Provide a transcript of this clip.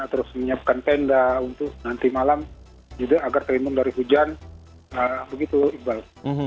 terus menyiapkan tenda untuk nanti malam juga agar terlindung dari hujan begitu iqbal